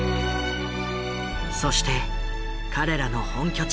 そして彼らの本拠地